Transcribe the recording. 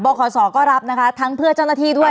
ขอสอก็รับนะคะทั้งเพื่อเจ้าหน้าที่ด้วย